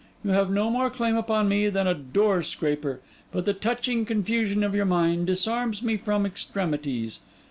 You have no more claim upon me than a door scraper; but the touching confusion of your mind disarms me from extremities.